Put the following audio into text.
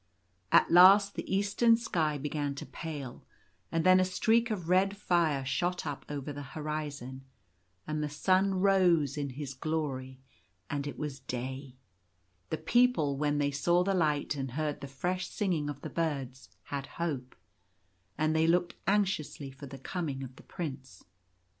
At last the eastern sky began to pale; and then a streak of red fire shot up over the horizon ; and the sun rose in his glory ; and it was day. The people, when they saw the light and heard the fresh singing of the birds, had hope ; and they looked anxiously for the coming of the Prince.